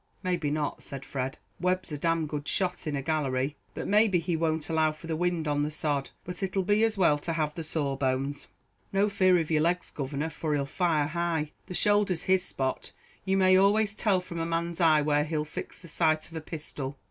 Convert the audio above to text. "May be not," said Fred. "Webb's a d d good shot in a gallery; but may be he won't allow for the wind on the sod; but it'll be as well to have the sawbones." "No fear of your legs, governor, for he'll fire high. The shoulder's his spot; you may always tell from a man's eye where he'll fix the sight of a pistol.